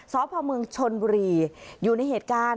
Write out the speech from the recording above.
สพเมืองชนบุรีอยู่ในเหตุการณ์